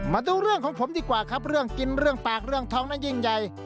มาดูเรื่องของผมดีกว่าครับเรื่องกินเรื่องปากเรื่องท้องนั้นยิ่งใหญ่